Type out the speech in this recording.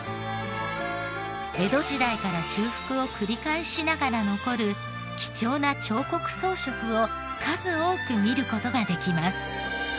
江戸時代から修復を繰り返しながら残る貴重な彫刻装飾を数多く見る事ができます。